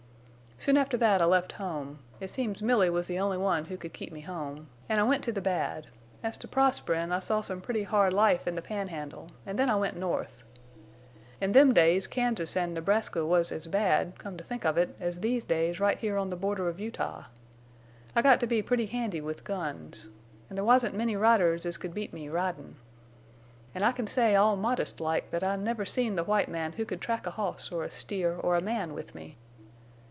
"Soon after that I left home—it seems Milly was the only one who could keep me home—an' I went to the bad, as to prosperin' I saw some pretty hard life in the Pan Handle, an' then I went North. In them days Kansas an' Nebraska was as bad, come to think of it, as these days right here on the border of Utah. I got to be pretty handy with guns. An' there wasn't many riders as could beat me ridin'. An' I can say all modest like that I never seen the white man who could track a hoss or a steer or a man with me.